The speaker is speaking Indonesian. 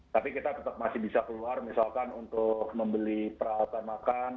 tapi kita tetap masih bisa keluar misalkan untuk membeli peralatan makan